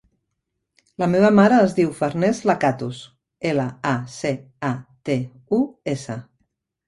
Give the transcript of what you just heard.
La meva mare es diu Farners Lacatus: ela, a, ce, a, te, u, essa.